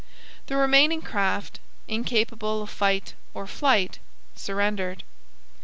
The remaining craft, incapable of fight or flight, surrendered.